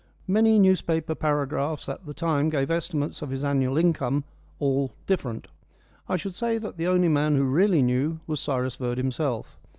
Many newspaper paragraphs at the time gave estimates of his annual income all different. I should say that the only man who really knew was Cyrus Verd himself.